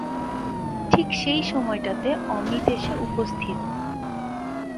ঠিক সেই সময়টাতে অমিত এসে উপস্থিত।